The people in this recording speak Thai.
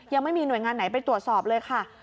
ยังไม่มีหน่วยงานไหนไปตรวจสอบเลยค่ะ